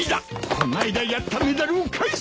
こないだやったメダルを返せ！